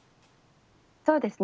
そうですね。